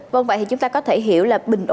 vâng vậy thì chúng ta có thể hiểu là bình ổn